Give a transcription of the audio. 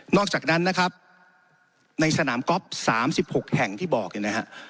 อกจากนั้นนะครับในสนามก๊อฟ๓๖แห่งที่บอกเนี่ยนะฮะ